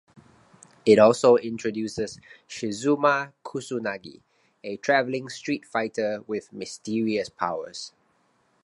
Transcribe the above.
It also introduces Shizuma Kusunagi, a traveling Street Fighter with mysterious powers.